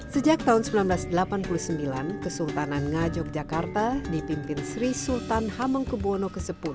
sejak tahun seribu sembilan ratus delapan puluh sembilan kesultanan nga yogyakarta dipimpin sri sultan hamengkubwono x